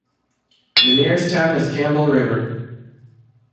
The nearest town is Campbell River.